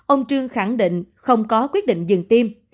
ông trương khẳng định không có quyết định dừng tiêm